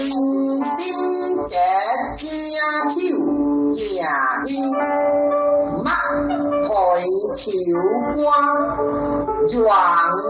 มาตะเชี่ยวกว้างจวงทาง